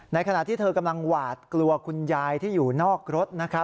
ขณะที่เธอกำลังหวาดกลัวคุณยายที่อยู่นอกรถ